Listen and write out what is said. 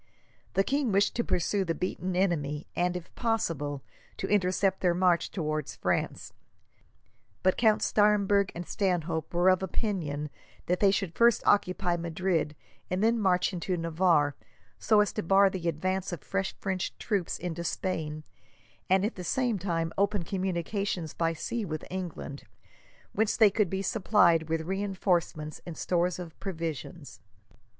The king wished to pursue the beaten enemy and, if possible, to intercept their march towards France, but Count Staremberg and Stanhope were of opinion that they should first occupy Madrid, and then march into Navarre, so as to bar the advance of fresh French troops into Spain, and at the same time open communications by sea with England, whence they could be supplied with reinforcements and stores of provisions.